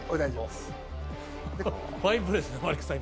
ファインプレーですねマリックさん